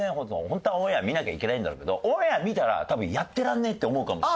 ホントはオンエア見なきゃいけないんだろうけどオンエア見たら「やってらんねえ」って思うかもしれない。